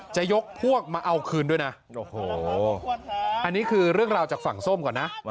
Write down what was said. จะยกพวกมาเอาคืนด้วยนะโอ้โหอันนี้คือเรื่องราวจากฝั่งส้มก่อนนะ